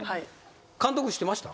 監督知ってました？